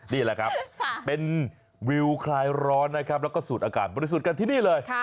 นี่แหละครับเป็นวิวคลายร้อนนะครับแล้วก็สูดอากาศบริสุทธิ์กันที่นี่เลย